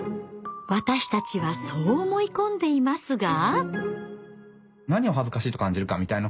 私たちはそう思い込んでいますが。